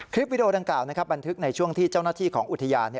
วิดีโอดังกล่าวบันทึกในช่วงที่เจ้าหน้าที่ของอุทยาน